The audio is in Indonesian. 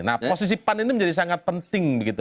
nah posisi pan ini menjadi sangat penting begitu